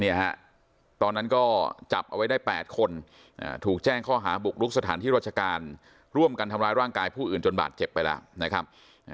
ตอนนั้นก็จับเอาไว้ได้๘คนถูกแจ้งข้อหาบุกรุกสถานที่ราชการร่วมกันทำร้ายร่างกายผู้อื่นจนบาดเจ็บไปแล้วนะครับ